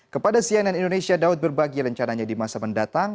kepada cnn indonesia daud berbagi rencananya di masa mendatang